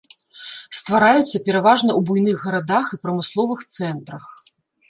Ствараюцца пераважна ў буйных гарадах і прамысловых цэнтрах.